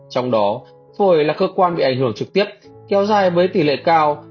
trong đó phục hồi là cơ quan bị ảnh hưởng trực tiếp kéo dài với tỷ lệ cao